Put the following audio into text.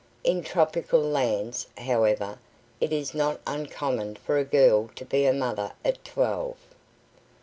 In tropical lands, however, it is not uncommon for a girl to be a mother at twelve.